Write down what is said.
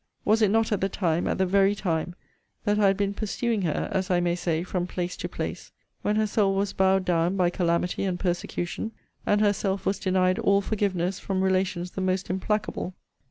Was it not at the time, at the very time, that I had been pursuing her, as I may say, from place to place; when her soul was bowed down by calamity and persecution; and herself was denied all forgiveness from relations the most implacable?